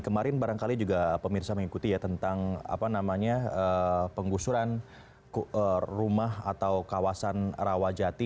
kemarin barangkali juga pemirsa mengikuti ya tentang apa namanya penggusuran rumah atau kawasan rawajati